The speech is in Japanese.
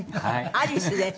アリスです。